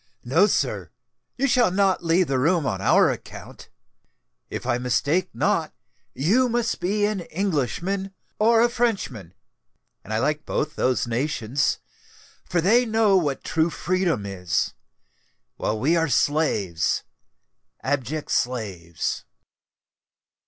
"No, sir—you shall not leave the room on our account. If I mistake not, you must be an Englishman or a Frenchman; and I like both those nations—for they know what true freedom is, while we are slaves,—abject slaves."